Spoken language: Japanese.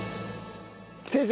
先生